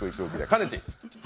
かねち。